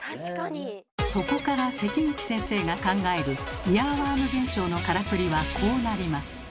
そこから関口先生が考えるイヤーワーム現象のカラクリはこうなります。